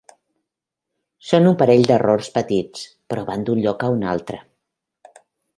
Són un parell d'errors petits, però van d'un lloc a un altre.